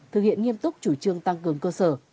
thực hiện nghiêm túc chủ trương tăng cường cơ sở